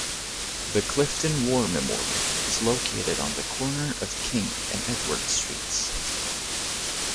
The Clifton War Memorial is located on the corner of King and Edward Streets.